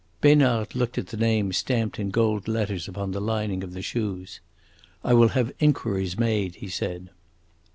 Besnard looked at the name stamped in gold letters upon the lining of the shoes. "I will have inquiries made," he said.